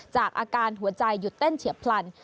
จากอาการหัวใจหยุดเต้นเฉียบพลัน